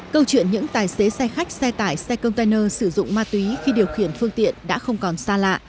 câu chuyện những tài xế xe khách xe tải xe container sử dụng ma túy khi điều khiển phương tiện đã không còn xa lạ